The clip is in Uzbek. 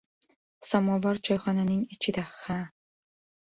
samovar choyxonaning ichida, ha!